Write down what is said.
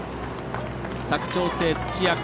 佐久長聖、土赤。